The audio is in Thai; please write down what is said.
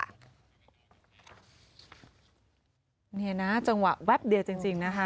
เห็นไหมนะจังหวะแวบเดียจริงนะคะ